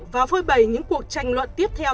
và phơi bày những cuộc tranh luận tiếp theo